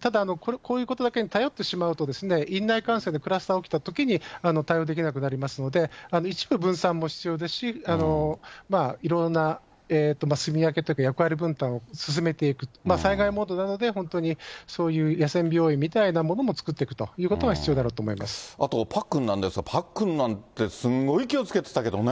ただ、こういうことだけに頼ってしまうと、院内感染でクラスター起きたときに、対応できなくなりますので、一部分散も必要ですし、いろんなすみ分けというか、役割分担を進めていく、災害モードなので、そういう野戦病院みたいなものも作っていくということが必要だろあと、パックンなんですが、パックンなんてすごい気をつけてたけどね。